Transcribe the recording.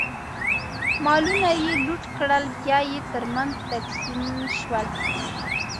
مالونه یې لوټ کړل، بیا یې ترمنځ تقسیم شول.